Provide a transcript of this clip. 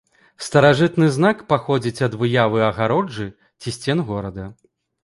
Старажытны знак паходзіць ад выявы агароджы ці сцен горада.